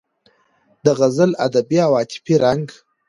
د غزل ادبي او عاطفي رنګ